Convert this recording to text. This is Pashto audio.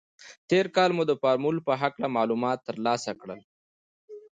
تېر کال مو د فورمول په هکله معلومات تر لاسه کړل.